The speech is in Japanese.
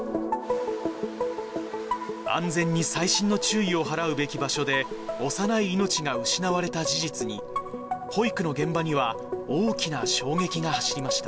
安全に細心の注意を払うべき場所で幼い命が失われた事実に、保育の現場には大きな衝撃が走りました。